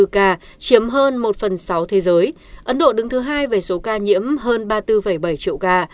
tám trăm ba mươi bảy tám trăm năm mươi bốn ca chiếm hơn một phần sáu thế giới ấn độ đứng thứ hai về số ca nhiễm hơn ba mươi bốn bảy triệu ca